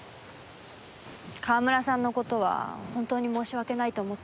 川村さんの事は本当に申し訳ないと思ってます。